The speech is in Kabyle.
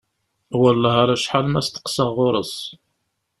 Wellah ar acḥal ma steqsaɣ ɣur-s.